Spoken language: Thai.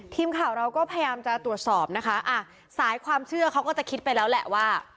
ทีมข่าวเราก็พยายามจะตรวจสอบนะคะอ่ะสายความเชื่อเขาก็จะคิดไปแล้วแหละว่า